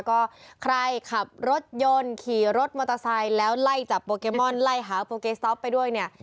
ก็ใครขับรถยนต์ขี่รถมอเตอร์ไซค์แล้วไล่จับโปเกมอนไล่หาโปเกสต๊อปไปด้วยเนี่ย